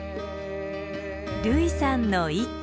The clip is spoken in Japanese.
類さんの一句。